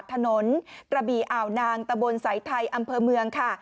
ถนนกระบี่อ่าวนางตะบนสายไทยอำเภอเมืองค่ะ